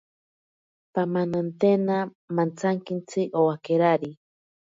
Pamanantena mantsakintsi owakerari.